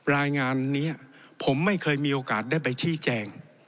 รายงานนี้ผมไม่เคยมีโอกาสได้ไปชี้แจง